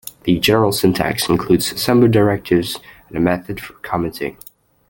The general syntax includes assembler directives and a method for commenting.